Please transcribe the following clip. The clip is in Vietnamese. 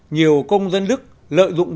nhiều công dân đức lợi dụng